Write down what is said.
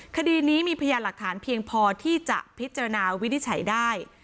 คดีนี้มีพยานหลักฐานเพียงพอที่จะพิจารณาวินิจฉัยได้